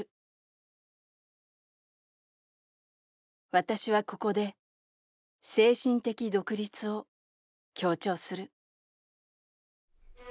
「私はここで精神的独立を強調する」。